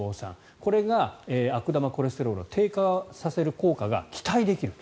これが悪玉コレステロールを低下させる効果が期待できる。